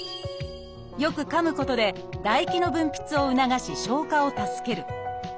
よくかむことで唾液の分泌を促し消化を助ける。